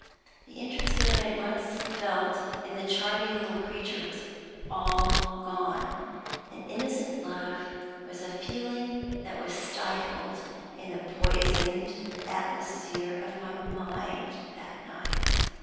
The interest that I had once felt in the charming little creature was all gone. An innocent love was a feeling that was stifled in the poisoned atmosphere of my mind that night.